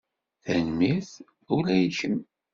Tanemmirt! Ula i kemm!